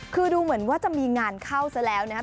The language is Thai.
คือดูเหมือนว่าจะมีงานเข้าซะแล้วนะครับ